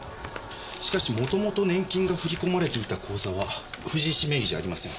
しかしもともと年金が振り込まれていた口座は藤石名義じゃありません。